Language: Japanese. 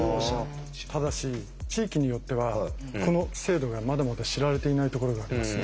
ただし地域によってはこの制度がまだまだ知られていないところがあります。